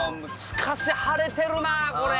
しかし晴れてるなこれ。